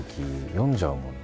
読んじゃうもんな。